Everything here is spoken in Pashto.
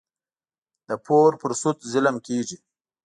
د پور پر سود ظلم کېږي.